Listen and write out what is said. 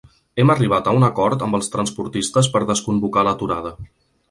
Hem arribat a un acord amb els transportistes per desconvocar l'aturada.